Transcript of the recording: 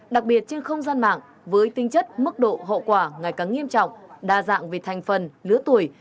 đặc biệt trên không gian mạng với tinh chất mức độ hậu quả ngày càng nghiêm trọng đa dạng về thành phần lứa tuổi